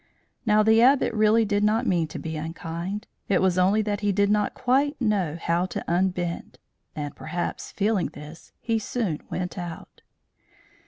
Now the Abbot really did not mean to be unkind. It was only that he did not quite know how to unbend; and perhaps feeling this, he soon went out.